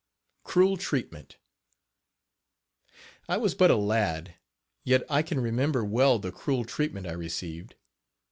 CRUEL TREATMENT. I was but a lad, yet I can remember well the cruel treatment I received.